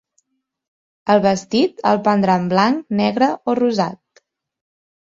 El vestit, el prendran blanc, negre o rosat?